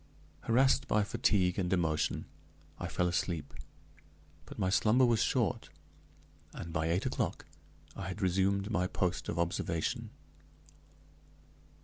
Harassed by fatigue and emotion I fell asleep, but my slumber was short, and by eight o'clock I had resumed my post of observation.